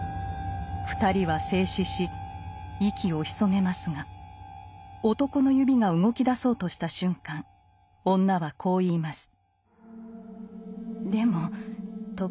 ２人は静止し息を潜めますが男の指が動きだそうとした瞬間女はこう言います。